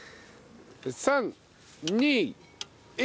３２１。